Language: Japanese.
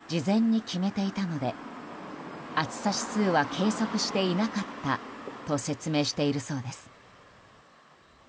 早めに切り上げると事前に決めていたので暑さ指数は計測していなかったと説明しているそうです。